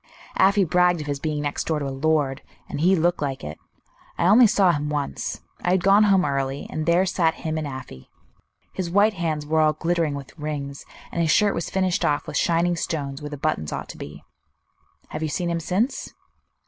"Afy bragged of his being next door to a lord; and he looked like it. I only saw him once; I had gone home early, and there sat him and Afy. His white hands were all glittering with rings, and his shirt was finished off with shining stones where the buttons ought to be." "Have you seen him since?"